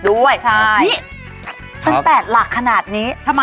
อุ๊ยแปดก่อน